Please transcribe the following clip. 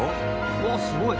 うわっすごい。